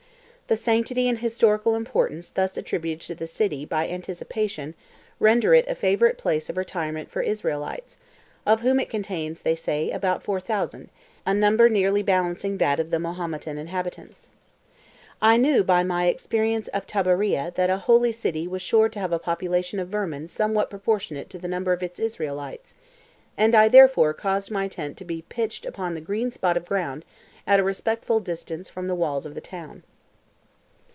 The sanctity and historical importance thus attributed to the city by anticipation render it a favourite place of retirement for Israelites, of whom it contains, they say, about four thousand, a number nearly balancing that of the Mahometan inhabitants. I knew by my experience of Tabarieh that a "holy city" was sure to have a population of vermin somewhat proportionate to the number of its Israelites, and I therefore caused my tent to be pitched upon a green spot of ground at a respectful distance from the walls of the town.